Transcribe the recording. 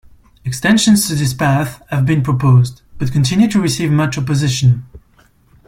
Extensions to this path have been proposed, but continue to receive much opposition.